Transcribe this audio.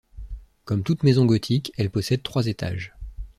Comme toute maison gothique, elle possède trois étages.